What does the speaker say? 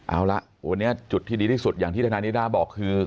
เอาละวันนี้จุดที่ดีที่สุดอย่างที่ทนายนิด้าบอกคือ